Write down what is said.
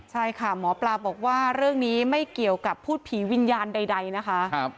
ใช่ค่ะหมอปลาบอกว่าเรื่องนี้ไม่เกี่ยวกับพูดผีวิญญาณใดนะคะ